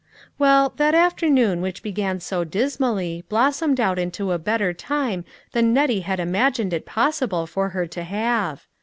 Well, that afternoon which began so dismally, blossomed out into a better time than Nettie had imagined it possible for her to have.